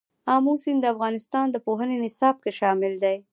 آمو سیند د افغانستان د پوهنې نصاب کې شامل دي.